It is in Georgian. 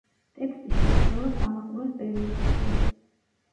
ტექსტი შეიცვალა კამაკურას პერიოდის დროს.